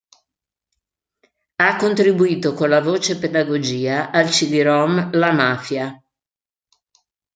Ha contribuito con la voce Pedagogia, al cd-rom "La Mafia.